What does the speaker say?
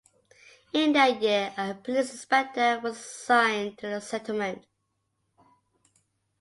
In that year a police inspector was assigned to the settlement.